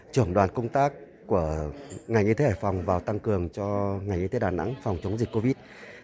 trưởng đoàn công tác của ngành y tế hải phòng vào tăng cường cho ngành y tế đà nẵng phòng chống dịch covid